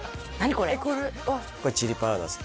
これこれチリパウダーです